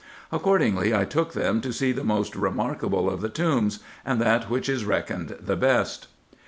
Accordingly I took them to see the most remarkable of the tombs, and that which is reckoned the best.